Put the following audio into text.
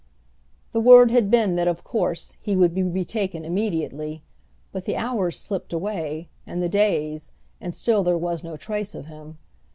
The word had been that, of course, he would be retaken immediately. But the hours slipped away, and the days, and still there was no trace of him.